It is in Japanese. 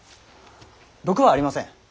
毒はありません。